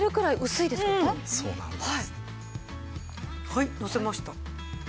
はいのせました。